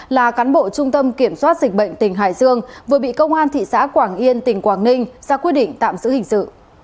là cán bộ trung tâm kiểm soát dịch bệnh tỉnh hải dương vừa bị công an thị xã quảng yên tỉnh quảng ninh ra quyết định tạm giữ hình sự